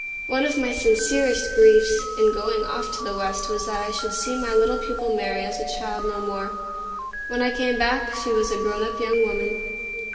One of my sincerest griefs in going off to the West was that I should see my little pupil Mary as a child no more. When I came back, she was a grown up young woman.